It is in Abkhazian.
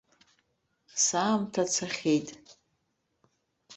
Саамҭа цахьеит!